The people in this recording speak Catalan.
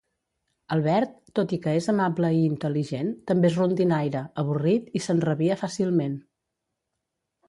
El Bert, tot i que és amable i intel·ligent, també és rondinaire, avorrit i s'enrabia fàcilment.